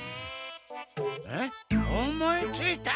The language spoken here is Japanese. あっ思いついた！